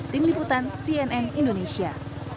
tim liputan cnn indonesia